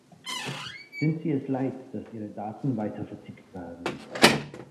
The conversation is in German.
Sind Sie es leid, dass Ihre Daten weitervertickt werden?